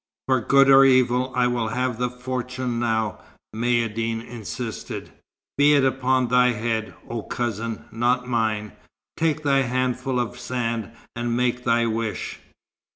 "For good or evil, I will have the fortune now," Maïeddine insisted. "Be it upon thy head, oh cousin, not mine. Take thy handful of sand, and make thy wish."